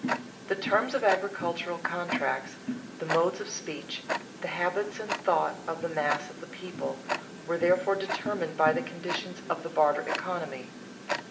The terms of agricultural contracts, the modes of speech, the habits and thought of the mass of the people, were therefore determined by the conditions of the barter economy.